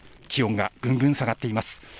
気温がぐんぐん下がっています。